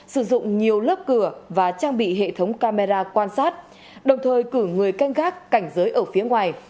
sử dụng nhiều lớp cửa và trang bị hệ thống camera quan sát đồng thời cử người canh gác cảnh giới ở phía ngoài